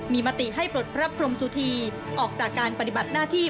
มีมติให้ปลดพระพรมสุธีออกจากการปฏิบัติหน้าที่